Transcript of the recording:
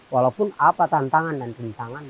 walaupun apa tantangan dan kencangan